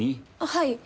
はい。